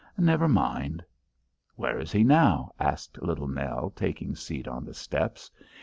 Never mind." "Where is he now?" asked Little Nell, taking seat on the steps.